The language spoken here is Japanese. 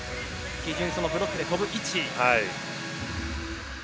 基準そのブロックで跳ぶ位置。